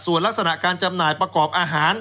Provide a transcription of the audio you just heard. ส่วนลักษณะการจำหน่ายประกอบอาหาร